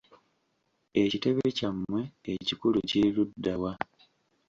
Ekitebe kya mmwe ekikulu kiri ludda wa?